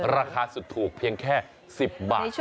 ราคาสุดถูกเพียงแค่๑๐บาทนั่นเองนะ